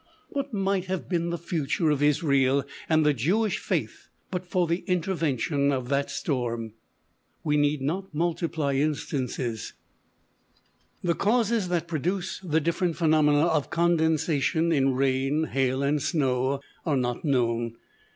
What might have been the future of Israel and the Jewish faith, but for the intervention of that storm? We need not multiply instances. [Illustration: FIELD OF WATERLOO.] The causes that produce the different phenomena of condensation in rain, hail and snow, are not known.